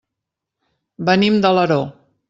Venim d'Alaró.